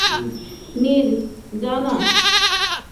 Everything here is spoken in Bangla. – নীর, যা-না!